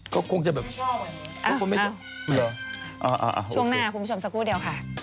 โปรดติดตามตอนต่อไป